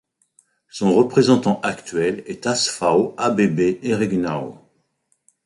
Son représentant actuel est Asfaw Abebe Eregnaw.